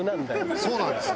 そうなんですよ。